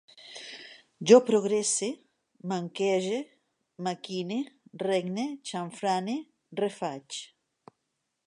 Jo progresse, manquege, maquine, regne, xamfrane, refaig